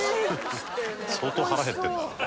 「相当腹減ってるな」